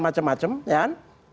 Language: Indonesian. macam macam ya kan